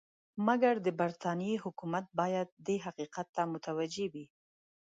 مګر د برټانیې حکومت باید دې حقیقت ته متوجه وي.